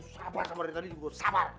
sabar sabar dari tadi ibu sabar